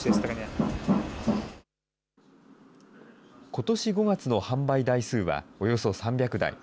ことし５月の販売台数はおよそ３００台。